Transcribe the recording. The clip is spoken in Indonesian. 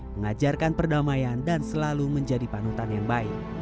mengajarkan perdamaian dan selalu menjadi panutan yang baik